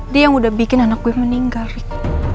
dia yang udah bikin anak gue meninggal fik